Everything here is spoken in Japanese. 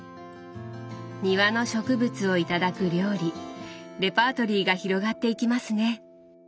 庭の植物を頂く料理レパートリーが広がっていきますね。